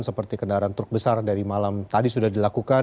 seperti kendaraan truk besar dari malam tadi sudah dilakukan